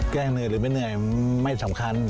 เหนื่อยหรือไม่เหนื่อยไม่สำคัญ